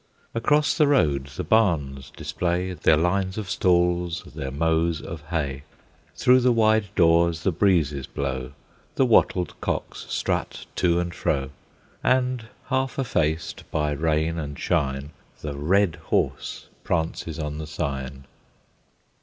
Across the road the barns display Their lines of stalls, their mows of hay, Through the wide doors the breezes blow, The wattled cocks strut to and fro, And, half effaced by rain and shine, The Red Horse prances on the sign.